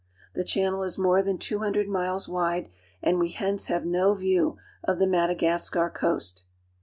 The channel is more than two hundred miles wide, and we hence have no view of the Madagascar coast.